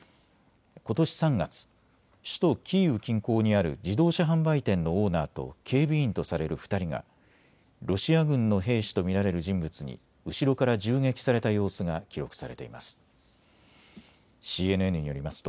ことし３月、首都キーウ近郊にある自動車販売店のオーナーと警備員とされる２人がロシア軍の兵士と見られる人物に後ろから銃撃された様子が記録されています。